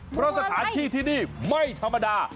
เพราะสถานที่ที่นี่ไม่ธรรมดา